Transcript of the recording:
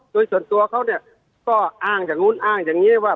โดยส่วนตัวเขาเนี่ยก็อ้างจากนู้นอ้างจากเงี้ยว่า